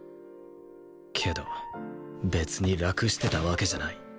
けど別に楽してたわけじゃない